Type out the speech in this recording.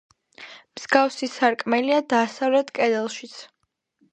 მსგავსი სარკმელია დასავლეთ კედელშიც.